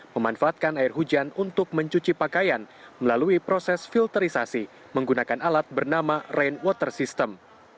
memanfaatkan air hujan untuk mencuci pakaian melalui proses filterisasi menggunakan alat bernama rain water system